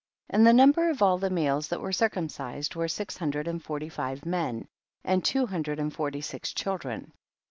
1. Andthenumber of all the males that were circumcised, were six hun dred and forty five men, and two hundred and forty six children.